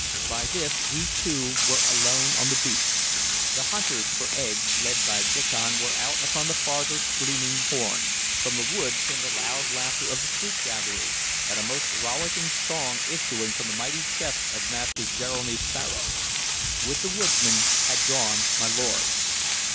By this we two were alone on the beach. The hunters for eggs, led by Diccon, were out upon the farthest gleaming horn; from the wood came the loud laughter of the fruit gatherers, and a most rollicking song issuing from the mighty chest of Master Jeremy Sparrow. With the woodsmen had gone my lord.